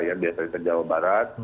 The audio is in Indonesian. ya biasanya ke jawa barat